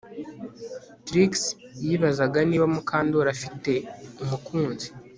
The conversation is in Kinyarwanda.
Trix yibazaga niba Mukandoli afite umukunzi